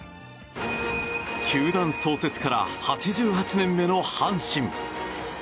球団創設から８８年目の阪神。